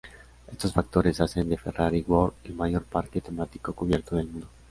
Estos factores hacen de Ferrari World el mayor parque temático cubierto del mundo.